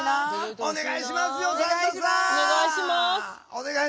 お願いします。